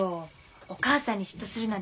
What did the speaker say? お母さんに嫉妬するなんて